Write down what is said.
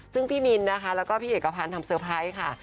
ซึ่งพี่มินนะคะแล้วก็พี่เอกพันธ์ทำเตอร์ไพรส์ค่ะ